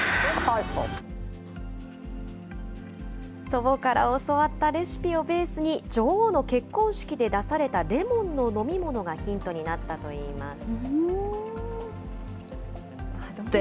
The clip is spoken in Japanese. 祖母から教わったレシピをベースに、女王の結婚式で出されたレモンの飲み物がヒントになったといいます。